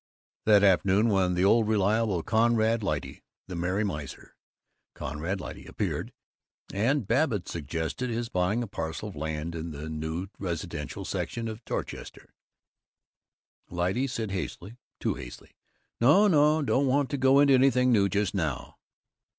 That afternoon, when the old reliable Conrad Lyte, the merry miser, Conrad Lyte, appeared, and Babbitt suggested his buying a parcel of land in the new residential section of Dorchester, Lyte said hastily, too hastily, "No, no, don't want to go into anything new just now."